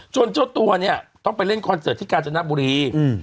จนโจทย์ตัวเนี้ยต้องไปเล่นคอนเสิร์ตที่กาศนบุรีอืม